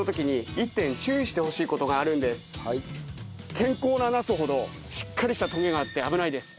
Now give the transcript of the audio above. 健康なナスほどしっかりしたトゲがあって危ないです。